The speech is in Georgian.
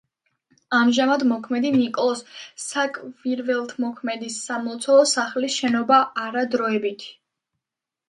ამჟამად მოქმედი ნიკოლოზ საკვირველთმოქმედის სამლოცველო სახლის შენობა არა დროებითი.